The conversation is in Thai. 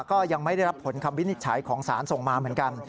ก็ยังไม่ได้รับผลคำวินิจฉัยของสารส่งมาเหมือนกัน